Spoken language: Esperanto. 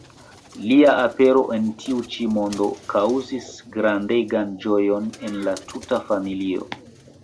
Lia apero en tiu ĉi mondo kaŭzis grandegan ĝojon en la tuta familio.